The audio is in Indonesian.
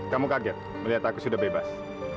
kamu kaget melihat aku sudah bebas